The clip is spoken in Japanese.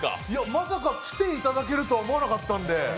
まさか来ていただけるとは思わなかったんで。